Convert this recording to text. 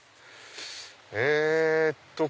えっと。